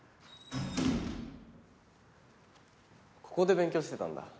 ここで勉強してたんだ。